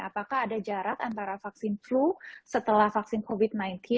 apakah ada jarak antara vaksin flu setelah vaksin covid sembilan belas